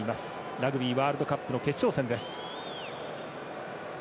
ラグビーワールドカップの決勝戦。